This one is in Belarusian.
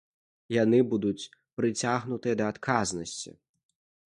Яны будуць прыцягнутыя да адказнасці.